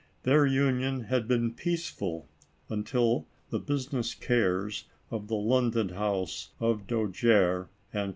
Their union had been peaceful, until the business cares of the London house of Dojere & Co.